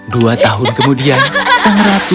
dua tahun kemudian sang ratu